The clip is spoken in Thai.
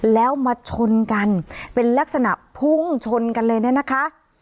แล้วมาชนกันเป็นลักษณะพุ่งชนกันเลยเนี่ยนะคะ